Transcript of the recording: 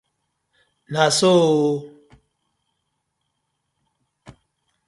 Na so ooo!